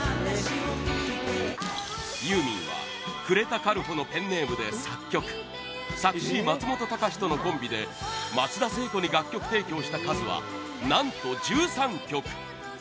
ユーミンは呉田軽穂のペンネームで作曲作詞・松本隆とのコンビで松田聖子に楽曲提供した数は何と１３曲！